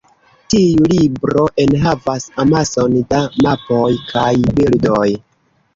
Tiu libro enhavas amason da mapoj kaj bildoj.